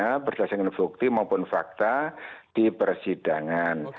memperbaiki bukti maupun fakta di persidangan